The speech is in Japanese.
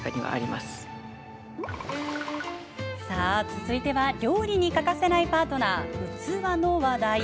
続いては料理に欠かせないパートナー、器の話題。